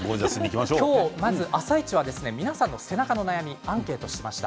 今日、まず「あさイチ」は皆さんの背中の悩みをアンケートしました。